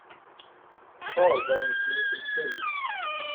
A child runs near some trees.